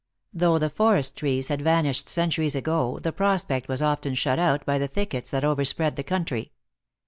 Though the forest trees had vanished centuries ago, the prospect was often shut out by the thickets that overspread the country.